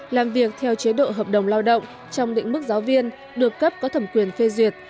làm việc theo chế độ hợp đồng lao động trong định mức giáo viên được cấp có thẩm quyền phê duyệt